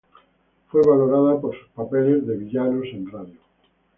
Fue valorado por sus papeles de villanos en radio.